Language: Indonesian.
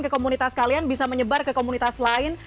ke komunitas kalian bisa menyebar ke komunitas lain